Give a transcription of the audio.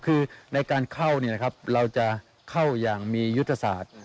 คือในการเข้าเนี่ยนะครับเราจะเข้าอย่างมียุทธศาสตร์